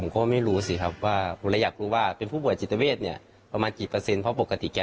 ก็หงายภายว่าเป็นผู้ป่วยกิจตะเวทผมก็ไม่รู้สิครับว่า